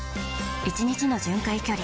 １日の巡回距離